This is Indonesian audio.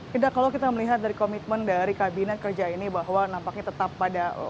tidak kalau kita melihat dari komitmen dari kabinet kerja ini bahwa nampaknya tetap pada